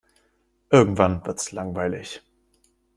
Irgendwann wird's langweilig.